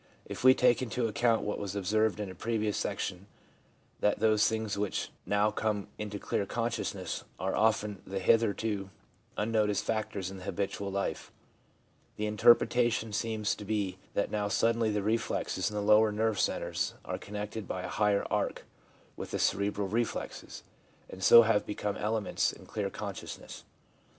If we take into account what was observed in a previous section, that those things which now come into clear consciousness are often the hitherto unnoticed factors in the habitual life, the interpretation seems to be that now suddenly the reflexes in the lower nerve centres are connected by a higher arc with the cerebral reflexes, and so have become elements in clear con sciousness.